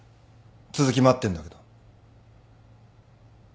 続き待ってんだけど。